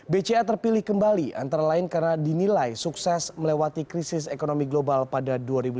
bca terpilih kembali antara lain karena dinilai sukses melewati krisis ekonomi global pada dua ribu lima belas